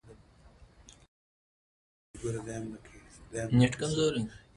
هغو جواب راکړو چې کوهے مو شورو کړے دے ـ